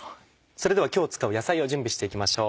それでは今日使う野菜を準備して行きましょう。